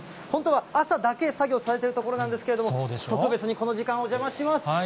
本当は朝だけ作業されているところなんですけれども、特別にこの時間、お邪魔します。